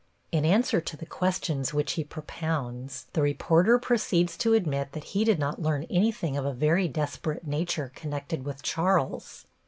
In answer to the questions which he propounds, the reporter proceeds to admit that he did not learn anything of a very desperate nature connected with Charles.